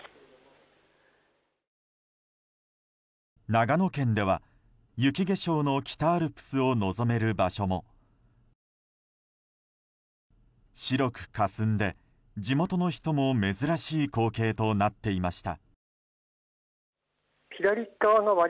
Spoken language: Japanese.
長野県では雪化粧の北アルプスを望める場所も白くかすんで、地元の人も珍しい光景となっていました。